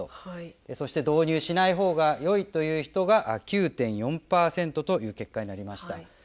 そして「導入しないほうがよい」という人が９．４％という結果になりました。